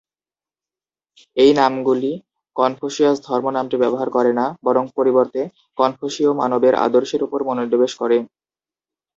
এই নামগুলি "কনফুসিয় ধর্ম" নামটি ব্যবহার করে না, বরং পরিবর্তে কনফুসিয় মানবের আদর্শের উপর মনোনিবেশ করে।